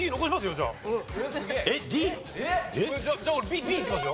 じゃあ俺Ｂいきますよ。